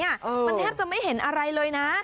มันแทบจะไม่เห็นอะไรเลยนะ